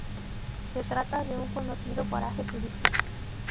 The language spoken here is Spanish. Se trata de un conocido paraje turístico.